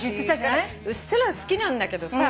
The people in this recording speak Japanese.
うっすら好きなんだけどさ。